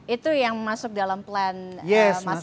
itu yang masuk dalam plan mas kei sama pasangan